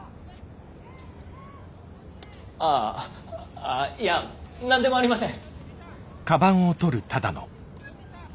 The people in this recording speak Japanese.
ああいや何でもありません。